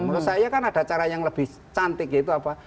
menurut saya kan ada cara yang lebih cantik gitu apa